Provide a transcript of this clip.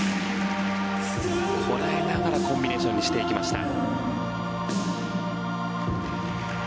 こらえながらコンビネーションにしていきました。